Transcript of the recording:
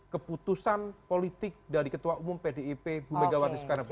keputusan politik dari ketua umum pdip bu megawati soekarno putri